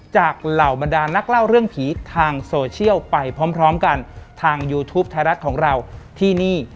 เหล่าบรรดานักเล่าเรื่องผีทางโซเชียลไปพร้อมพร้อมกันทางยูทูปไทยรัฐของเราที่นี่